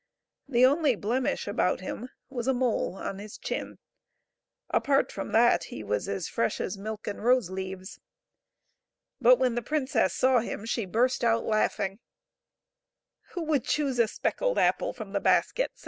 The only blemish about him was a mole on his chin ; apart from that he was as fresh as milk and rose leaves. But when the princess saw him she burst out laughing ;" Who would choose a specked apple from the basket ?"